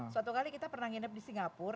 suatu kali kita pernah nginep di singapura